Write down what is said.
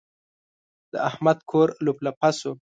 د احمد کور لولپه شو.